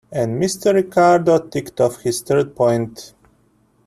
And Mr. Ricardo ticked off his third point.